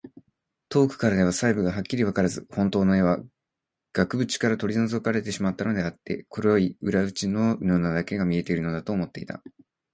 遠くからでは細部がはっきりわからず、ほんとうの絵は額ぶちから取り去られてしまったのであって、黒い裏打ちの布だけが見えているのだ、と思っていた。